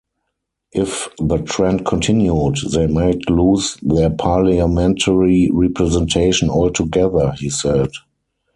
If the trend continued, they might lose their parliamentary representation altogether, he said.